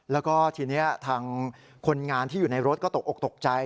แล้วก็ทีนี้ทางคนงานที่อยู่ในรถก็ตกออกตกใจ